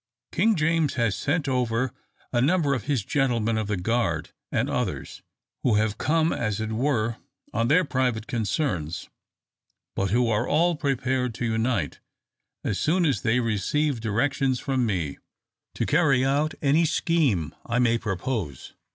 King James has sent over a number of his `gentlemen of the guard' and others, who have come as it were on their private concerns, but who are all prepared to unite, as soon as they receive directions from me, to carry out any scheme I may propose.